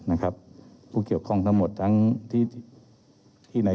เรามีการปิดบันทึกจับกลุ่มเขาหรือหลังเกิดเหตุแล้วเนี่ย